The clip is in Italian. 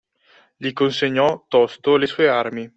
Gli consegnò tosto le sue armi.